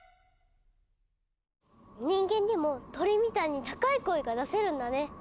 人間にも鳥みたいに高い声が出せるんだね。